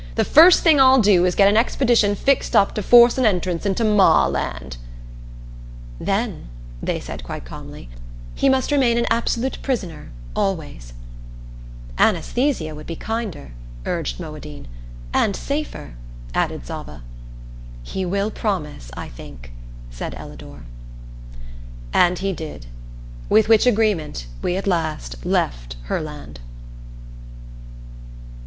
"The first thing I'll do is to get an expedition fixed up to force an entrance into Ma land." "Then," they said quite calmly, "he must remain an absolute prisoner, always." "Anesthesia would be kinder," urged Moadine. "And safer," added Zava. "He will promise, I think," said Ellador. And he did. With which agreement we at last left Herland.